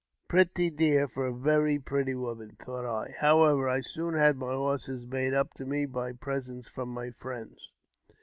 Pretty dear for a very pretty woman," thought I. How ever, I soon had my horses made up to me by presents from my friends.